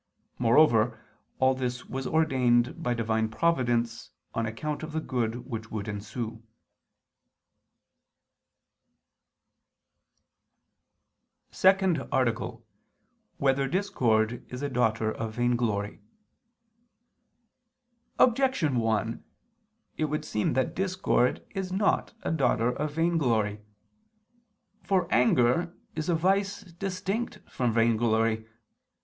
Moreover all this was ordained by Divine providence, on account of the good which would ensue. _______________________ SECOND ARTICLE [II II, Q. 37, Art. 2] Whether Discord Is a Daughter of Vainglory? Objection 1: It would seem that discord is not a daughter of vainglory. For anger is a vice distinct from vainglory.